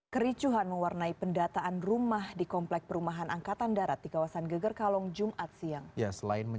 kericuhan mewarnai pendataan rumah di komplek perumahan angkatan darat di kawasan geger kalong jumat siang